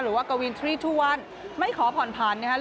หรือว่ากวิน๓๒๑ไม่ขอผ่อนพันธุ์นะครับ